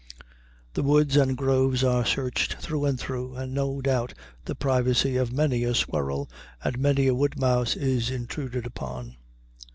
The woods and groves are searched through and through, and no doubt the privacy of many a squirrel and many a wood mouse is intruded upon.